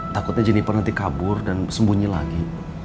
takutnya jenniper nanti kabur dan sembunyi lagi